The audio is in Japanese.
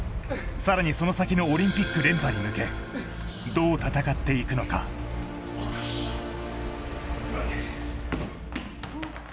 さらにその先のオリンピック連覇に向けどう戦っていくのかおしいや感じですね